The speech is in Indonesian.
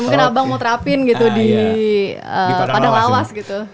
mungkin abang mau terapin gitu di padang lawas gitu